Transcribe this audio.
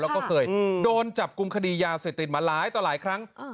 แล้วก็เคยโดนจับกลุ่มคดียาเสพติดมาหลายต่อหลายครั้ง